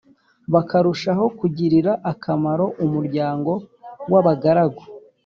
bakarushaho kugirira akamaro umuryango w abagaragu